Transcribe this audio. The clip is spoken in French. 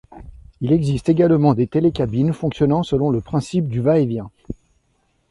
Il existe également des télécabines fonctionnant selon le principe du va-et-vient.